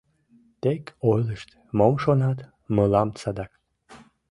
Тек ойлышт, мом шонат, мылам садак.